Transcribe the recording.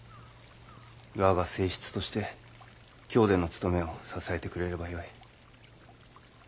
我が正室として京での務めを支えてくれればよい。